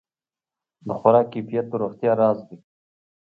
د خوراک کیفیت د روغتیا راز دی.